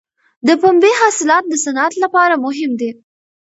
د پنبې حاصلات د صنعت لپاره مهم دي.